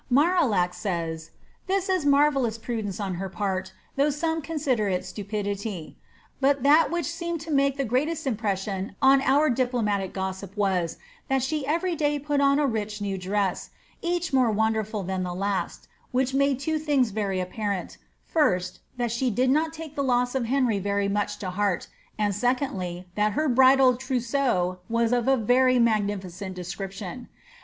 Marillac says, ^ This is marvellous prudence on her part, though some consider it stupidity 'f*^ but that which seemed to make the greatest impression on our diplomatic gossip was, that she every day put on a rich new dress, ^ each more wonderfol than the last,'" which made two things' very apparent, first, that she did not take the loss of Henry very much to heart ; and secondly, that her bndil trousseau was of a very magnificent description.